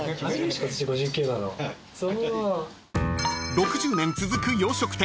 ［６０年続く洋食店